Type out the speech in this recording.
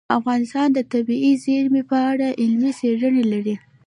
افغانستان د طبیعي زیرمې په اړه علمي څېړنې لري.